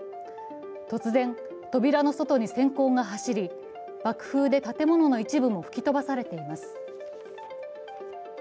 突然、扉の外に閃光が走り、爆風で建物の一部も吹き飛ばされています。